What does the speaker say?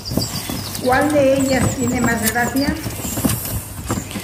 ¿Cuál de ellas tiene más gracia?